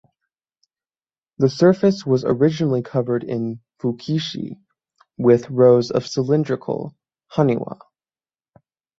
The surface was originally covered in "fukiishi" with rows of cylindrical "haniwa".